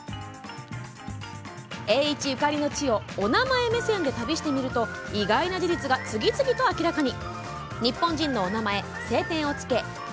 栄一ゆかりの地をお名前目線で旅してみると意外な事実が次々と明らかに。